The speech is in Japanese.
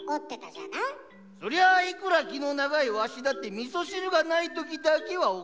そりゃあいくら気の長いわしだって味噌汁がないときだけは怒る。